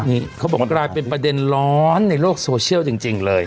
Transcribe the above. นี่เขาบอกว่ากลายเป็นประเด็นร้อนในโลกโซเชียลจริงเลย